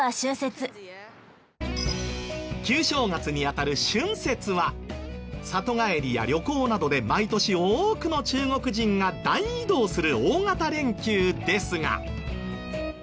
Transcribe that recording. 旧正月に当たる春節は里帰りや旅行などで毎年多くの中国人が大移動する大型連休ですが。